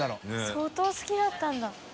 佑А相当好きだったんだ。